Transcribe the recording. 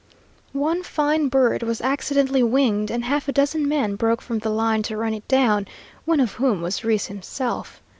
One fine bird was accidentally winged, and half a dozen men broke from the line to run it down, one of whom was Reese himself.